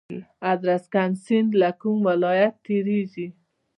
ادرسکن سیند له کوم ولایت تیریږي؟